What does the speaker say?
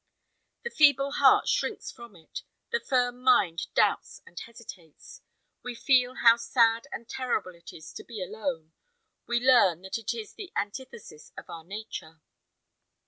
The feeble heart shrinks from it; the firm mind doubts and hesitates. We feel how sad and terrible it is to be alone; we learn that it is the antithesis of our nature.